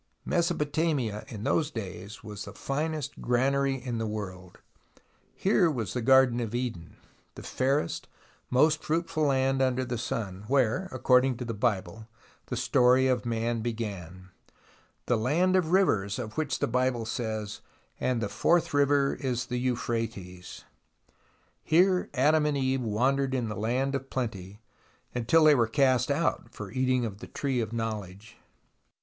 Mesopotamia in those days was the finest granary in the world. Here was the Garden of Eden, the fairest, most fruitful land under the sun, where, according to the Bible, the story of Man began, the land of the rivers of which the Bible says :" And the fourth river is the Euphrates." Here Adam THE ROMANCE OF EXCAVATION 137 and Eve wandered in the Land of Plenty, until they were cast out for eating of the Tree of Knowledge.